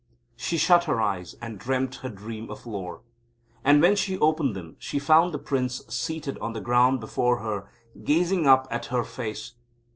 She shut her eyes, and dreamt her dream of lore. And when she opened them she found the Prince seated on the ground before her gazing up at her face.